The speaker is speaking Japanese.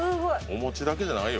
お餅だけじゃないよ。